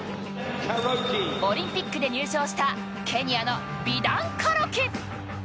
オリンピックで入賞したケニアのビダン・カロキ。